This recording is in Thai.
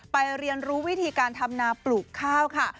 เรียนรู้วิธีการทำนาปลูกข้าวค่ะ